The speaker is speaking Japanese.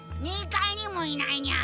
２階にもいないニャ！